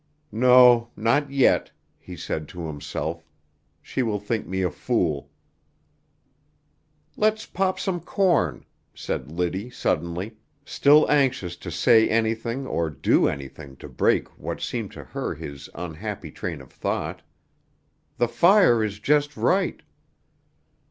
"No, not yet," he said to himself, "she will think me a fool." "Let's pop some corn," said Liddy suddenly, still anxious to say anything or do anything to break what seemed to her his unhappy train of thought; "the fire is just right."